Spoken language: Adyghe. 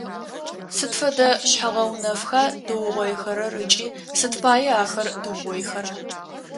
Сыд фэдэ шъхьэ-гъэунэфха тыугъоихэрэр ыкӏи сыд пае ахэр тыугъоихэра?